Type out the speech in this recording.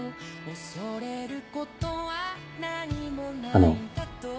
あの。